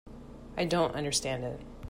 I don't understand it.